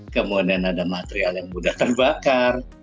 kemudian ada material yang mudah terbakar